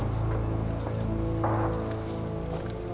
tidak ada apa apa